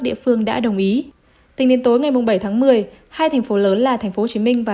địa phương đã đồng ý tính đến tối ngày bảy tháng một mươi hai thành phố lớn là thành phố hồ chí minh và